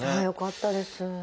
よかったです。